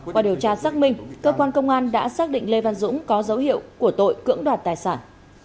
qua điều tra xác minh cơ quan công an đã xác định lê văn dũng có dấu hiệu của tội cưỡng đoạt tài sản